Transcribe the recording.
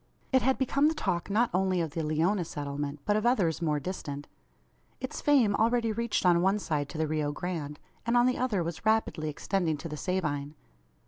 It had become the talk not only of the Leona settlement, but of others more distant. Its fame already reached on one side to the Rio Grande, and on the other was rapidly extending to the Sabine.